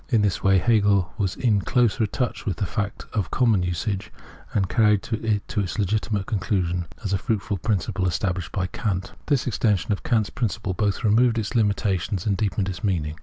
In this way Hegel was in closer touch with fact and common usage, and carried to its legitimate conclusion the fuuitful principle established by Kant. This extension of Kant's principle both removed its limitations and deepened its meaning.